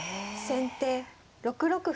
先手６六歩。